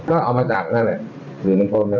ก็เอามาจากนั่นแหละหรือมันโทรมนั่นแหละ